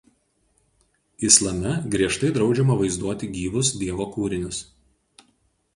Islame griežtai draudžiama vaizduoti gyvus Dievo kūrinius.